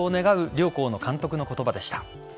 両校の監督の言葉でした。